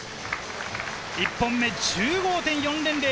１本目１５．４００。